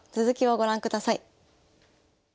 続きをご覧ください。